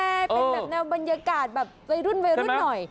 เป็นแบบแนวบรรยากาศแบบในรุ่นไว้รุ่นหน่อยใช่ไหม